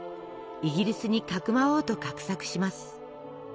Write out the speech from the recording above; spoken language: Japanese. イギリスにかくまおうと画策します。